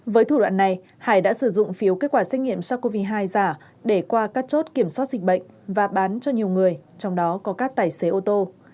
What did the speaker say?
với thủ đoạn này hải đã sử dụng phiếu kết quả xét nghiệm sars cov hai giả để qua các chốt kiểm soát dịch bệnh và bán cho nhiều người trong đó có các tài xế ô tô